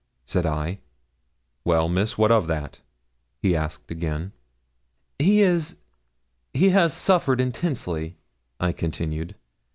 said I. 'Well, Miss, what of that?' he asked again. 'He is he has suffered intensely,' I continued.